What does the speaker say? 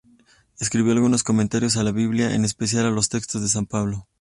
Escribió algunos comentarios a la Biblia, en especial los textos de san Pablo.